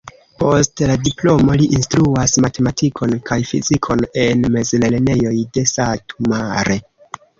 Post la diplomo li instruas matematikon kaj fizikon en mezlernejoj de Satu Mare.